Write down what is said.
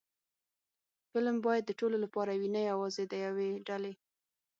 فلم باید د ټولو لپاره وي، نه یوازې د یوې ډلې